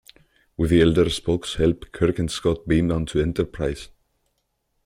With the elder Spock's help, Kirk and Scott beam onto "Enterprise".